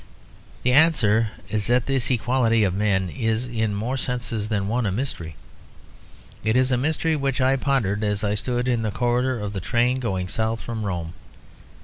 The answer is that this equality of men is in more senses than one a mystery. It is a mystery which I pondered as I stood in the corridor of the train going south from Rome.